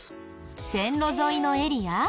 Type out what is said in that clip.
線路沿いのエリア？